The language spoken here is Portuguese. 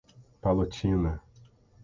Palotina